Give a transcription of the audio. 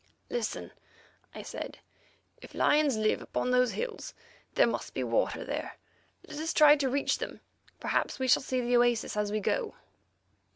"Listen," I said; "if lions live upon those hills, there must be water there. Let us try to reach them; perhaps we shall see the oasis as we go."